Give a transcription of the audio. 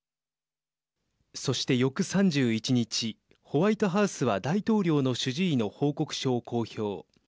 そして、翌３１日ホワイトハウスは大統領の主治医の報告書を公表。